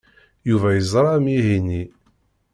Yuba yeẓra amihi-nni.